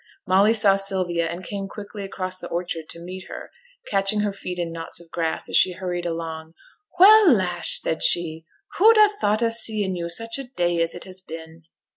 Molly saw Sylvia, and came quickly across the orchard to meet her, catching her feet in knots of grass as she hurried along. 'Well, lass!' said she, 'who'd ha' thought o' seeing yo' such a day as it has been?'